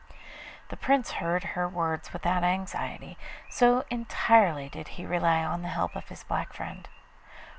The Prince heard her words without anxiety, so entirely did he rely on the help of his black friend.